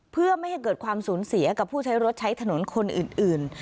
เพื่อไม่ให้เกิดความสูญเสียกับผู้ใช้รถใช้ถนนคนอื่น